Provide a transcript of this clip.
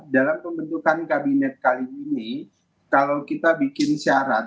dalam pembentukan kabinet kali ini kalau kita bikin syarat